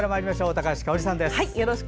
高橋香央里さんです。